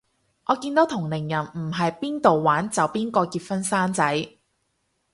我見到同齡人唔係邊到玩就邊個結婚生仔